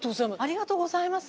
ありがとうございます。